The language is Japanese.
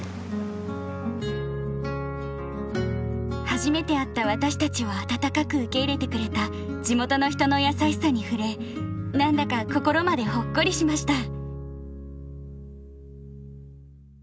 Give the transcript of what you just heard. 初めて会った私たちを温かく受け入れてくれた地元の人の優しさに触れ何だか心までほっこりしました。